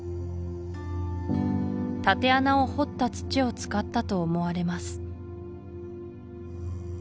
竪穴を掘った土を使ったと思われます